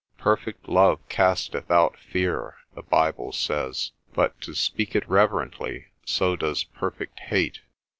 Perfect love casteth out fear, the Bible says; but, to speak it reverently, so does perfect hate.